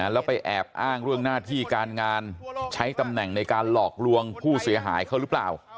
แล้วไปแอบอ้างเรื่องหน้าที่การงานใช้ตำแหน่งในการหลอกลวงผู้เสียหายเขาหรือเปล่า